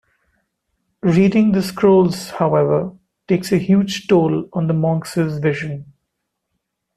Reading the Scrolls, however, takes a huge toll on the monks' vision.